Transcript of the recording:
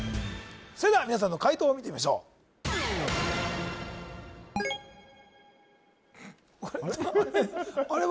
それでは皆さんの解答を見てみましょうあれ